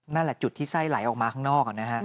นั่นแหละจุดที่ไส้ไหลออกมาข้างนอกนะฮะ